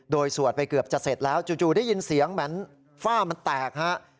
โดยสวดไปเกือบจะเสร็จแล้วจู่ได้ยินเสียงเหมือนฝ้ามันแตกฮะ